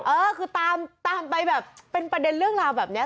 เออคือตามไปแบบเป็นประเด็นเรื่องราวแบบนี้